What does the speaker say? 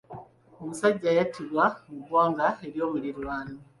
Omusajja yattibwa mu ggwanga ery'omuliraano.